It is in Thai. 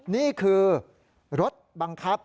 นี่คือรถบังคับ